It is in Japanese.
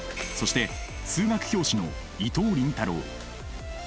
そして数学教師の伊藤倫太郎。